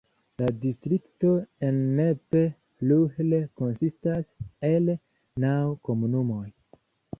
La distrikto Ennepe-Ruhr konsistas el naŭ komunumoj.